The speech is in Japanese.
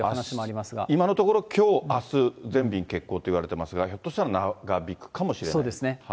今のところ、きょう、あす、全便欠航といわれていますが、ひょっとしたら長引くかもしれない。